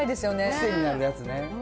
癖になるやつね。